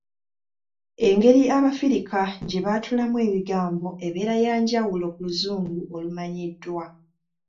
Engeri Abafirika gye baatulamu ebigambo ebeera ya njawulo ku Luzungu olumanyiddwa.